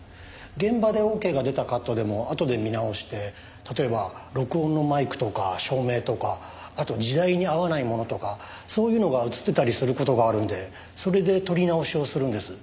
現場でオーケーが出たカットでもあとで見直して例えば録音のマイクとか照明とかあと時代に合わないものとかそういうのが映ってたりする事があるのでそれで撮り直しをするんです。